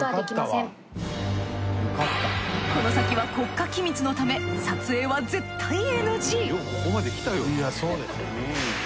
この先は国家機密のため撮影は絶対ＮＧ。